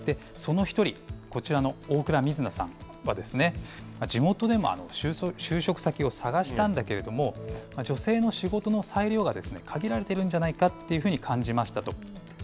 その一人、こちらの大蔵瑞奈さんは、地元でも就職先を探したんだけれども、女性の仕事の裁量が限られているんじゃないかっていうふうに感じましたと。